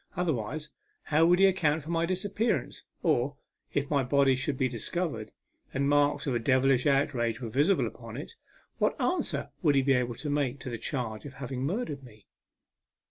Otherwise, how would he account for my disappearance ? Or, if my body should be discovered, and marks of a devilish outrage were visible upon it, what answer would he be able to make to the charge of having murdered me